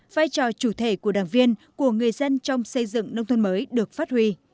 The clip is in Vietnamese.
vai trò chủ thể của đảng viên của người dân trong xây dựng nông thôn mới được phát huy